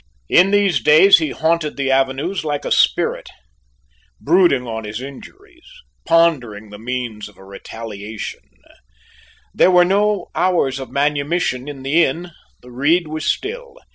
In these days he haunted the avenues like a spirit, brooding on his injuries, pondering the means of a retaliation; there were no hours of manumission in the inn; the reed was still.